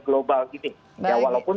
global ini walaupun